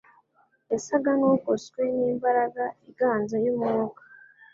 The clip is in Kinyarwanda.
Yasaga n'ugoswe n'imbaraga iganza y'Umwuka.